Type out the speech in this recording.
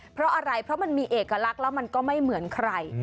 เพราะอะไรเพราะมันมีเอกลักษณ์แล้วมันก็ไม่เหมือนใคร